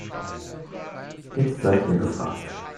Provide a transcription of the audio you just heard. Jetzt seid ihr gefragt.